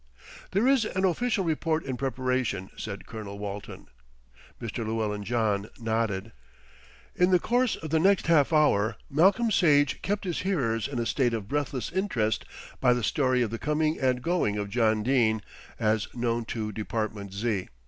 "There is an official report in preparation," said Colonel Walton. Mr. Llewellyn John nodded. In the course of the next half hour Malcolm Sage kept his hearers in a state of breathless interest by the story of the coming and going of John Dene, as known to Department Z.